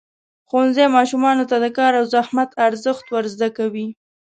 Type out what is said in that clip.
ښوونځی ماشومانو ته د کار او زحمت ارزښت ورزده کوي.